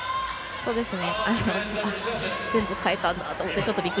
そうですね。